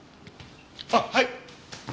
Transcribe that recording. あっはい！